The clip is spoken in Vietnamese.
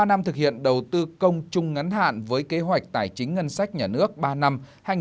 trong ba năm thực hiện đầu tư công chung ngắn hạn với kế hoạch tài chính ngân sách nhà nước ba năm hai nghìn một mươi tám hai nghìn hai mươi